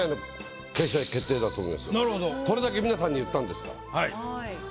これだけ皆さんに言ったんですから。